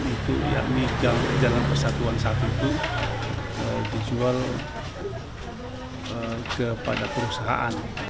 itu yakni jalan persatuan satu itu dijual kepada perusahaan